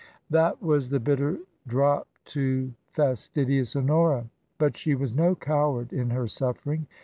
That was the bitter drop to fastidious Honora ! But she was no coward in her suffering.